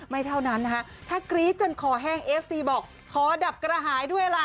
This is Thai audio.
เท่านั้นนะคะถ้ากรี๊ดจนคอแห้งเอฟซีบอกขอดับกระหายด้วยล่ะ